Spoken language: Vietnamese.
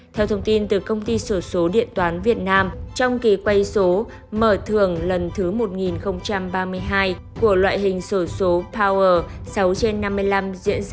theo thông tin từ công ty sổ số điện toán việt nam trong kỳ quay số mở thường lần thứ một nghìn ba mươi hai của loại hình sổ số power sáu trên năm mươi năm diễn ra